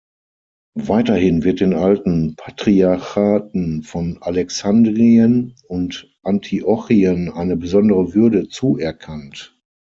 Weiterhin wird den alten Patriarchaten von Alexandrien und Antiochien eine besondere Würde zuerkannt.